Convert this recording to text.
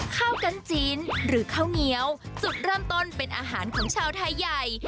ข้าวกันจีนหรือข้าวเงี้ยวจุดเริ่มต้นเป็นอาหารของชาวไทยใหญ่